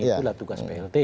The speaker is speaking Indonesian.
itulah tugas plt